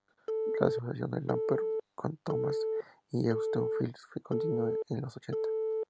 La asociación de Lambert con Thames y Euston Films continuó en los ochenta.